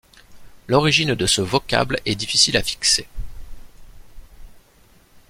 L'origine de ce vocable est difficile à fixer.